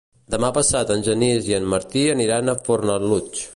Demà passat en Genís i en Martí aniran a Fornalutx.